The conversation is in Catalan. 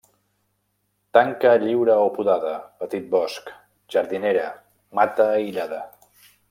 Tanca lliure o podada, petit bosc, jardinera, mata aïllada.